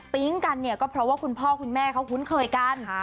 ไปยิงกันก็เพราะว่าคุณพ่อคุณแม่เค้าหุ้นเคยกัน